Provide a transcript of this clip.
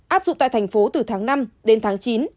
áp dụng tại thành phố từ tháng năm đến tháng chín